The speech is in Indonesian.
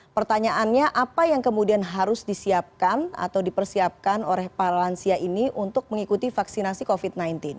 pertanyaannya apa yang kemudian harus disiapkan atau dipersiapkan oleh para lansia ini untuk mengikuti vaksinasi covid sembilan belas